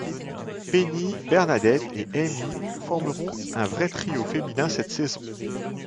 Penny, Bernadette et Amy formeront un vrai trio féminin cette saison.